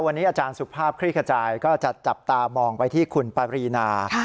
วันนี้อาจารย์สุภาพคลี่ขจายก็จะจับตามองไปที่คุณปรีนา